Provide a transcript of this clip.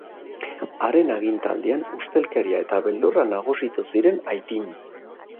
Haren agintaldian ustelkeria eta beldurra nagusitu ziren Haitin.